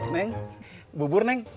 neng bubur neng